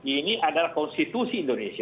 ini adalah konstitusi indonesia